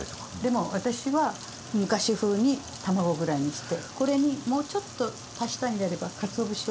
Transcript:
でも私は昔風に卵ぐらいにしてこれにもうちょっと足したいんであればかつお節を入れたら。